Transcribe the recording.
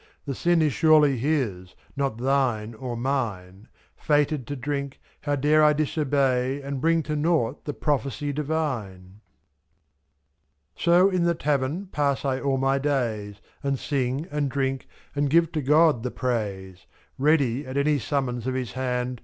The sin is surely His, not thine or mine; 7f* Fated to drink, how dare I disobey — And bring to nought the prophecy divine ! So in the tavern pass I all my days. And sing and drink, and give to God the praise; 77. Ready, at any summons of His hand.